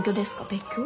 別居？